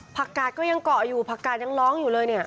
กาดก็ยังเกาะอยู่ผักกาดยังร้องอยู่เลยเนี่ย